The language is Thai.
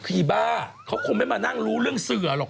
ยาบ้าเขาคงไม่มานั่งรู้เรื่องเสือหรอก